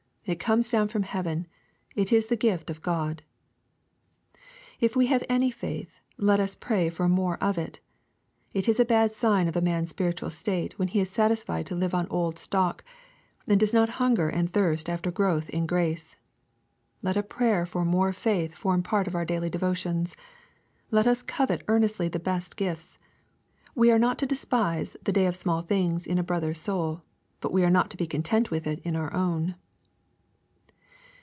It comes down ftom heaven. It is the gift of God. If we have any faith let us pray for more of it. It is a bad sign of a man's spiritual state when he is satisfied to live on old stock, and does not hunger and thirst after growth in grace. Let a prayer for more faith form part of our daily devotions. Let us covet earnestly the best gifts. We are not to despise *Hhe day of small things" in a brother's soul, but we are not to be content with it in our own.